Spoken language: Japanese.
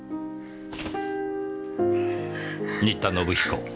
新田信彦